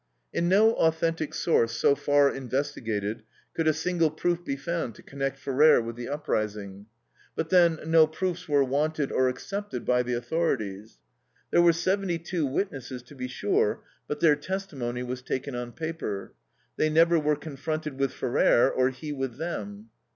In no authentic source so far investigated could a single proof be found to connect Ferrer with the uprising. But then, no proofs were wanted, or accepted, by the authorities. There were seventy two witnesses, to be sure, but their testimony was taken on paper. They never were confronted with Ferrer, or he with them.